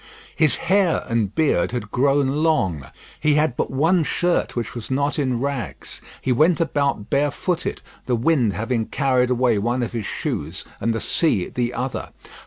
His hair and beard had grown long. He had but one shirt which was not in rags. He went about bare footed, the wind having carried away one of his shoes and the sea the other.